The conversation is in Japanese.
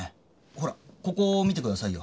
ほらここを見てくださいよ。